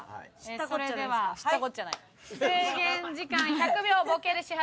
それでは制限時間１００秒ボケで支払いスタート！